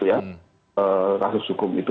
kasus hukum itu ya kasus hukum itu